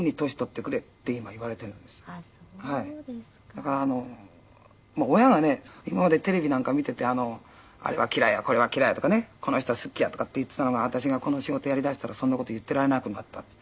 だから親がね今までテレビなんか見ててあれは嫌いやこれは嫌いやとかねこの人は好きやとかって言ってたのが私がこの仕事やりだしたらそんな事言っていられなくなったって。